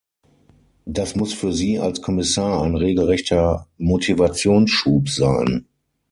Das muss für Sie als Kommissar ein regelrechter Motivationsschub sein.